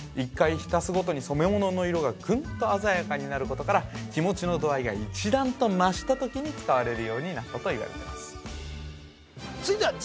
１回浸すごとに染め物の色がぐんと鮮やかになることから気持ちの度合いが一段と増した時に使われるようになったといわれてます